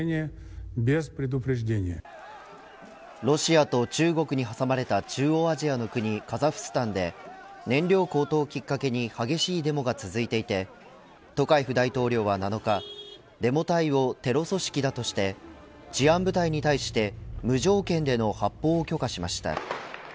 ロシアと中国に挟まれた中央アジアの国カザフスタンで燃料高騰をきっかけに激しいデモが続いていてトカエフ大統領は７日デモ隊をテロ組織だとして治安部隊に対して無条件での発砲を許可しました。